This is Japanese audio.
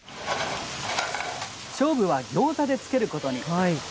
勝負はギョーザでつけることに。